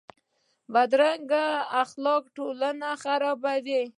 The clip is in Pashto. بدرنګه اخلاق ټولنه خرابوي